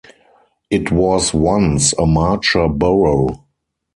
It was once a marcher borough.